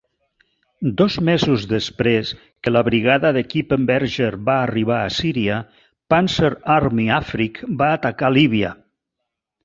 Dos mesos després que la brigada de Kippenberger va arribar a Síria, Panzer Army Afrik va atacar Líbia.